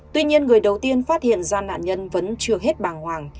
tuy nhiên người đầu tiên phát hiện ra nạn nhân vẫn chưa hết bàng hoàng